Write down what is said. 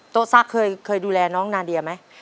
โต๊ะซะเคยดูแลน้องนาเดียไหม